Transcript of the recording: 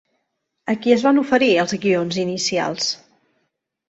A qui es van oferir els guions inicials?